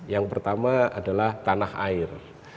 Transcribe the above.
yang pertama adalah tanah air